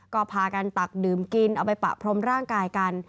ก็พากันตักดื่มกินเอาไปปะพรมร่างกายกัน